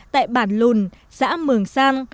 tại bản lùn xã mường sang